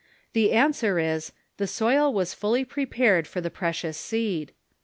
the answer is, The soil was fully prepared for the precious seed.